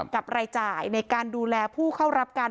กับรายจ่ายในการดูแลผู้เข้ารับการ